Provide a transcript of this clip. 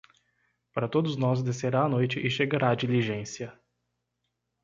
Para todos nós descerá a noite e chegará a diligência.